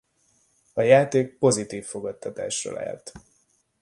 A játék pozitív fogadtatásra lelt.